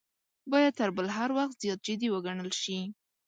باید تر بل هر وخت زیات جدي وګڼل شي.